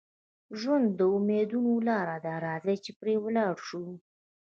ژوند د امیدونو لاره ده، راځئ چې پرې ولاړ شو.